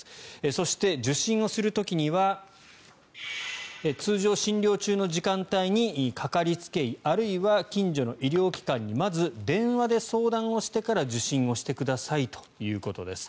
そして、受診をする時には通常診療中の時間帯にかかりつけ医あるいは近所の医療機関にまず電話で相談をしてから受診をしてくださいということです。